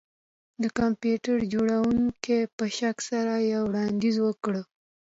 د کمپیوټر جوړونکي په شک سره یو وړاندیز وکړ